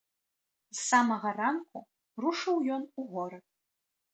З самага ранку рушыў ён у горад.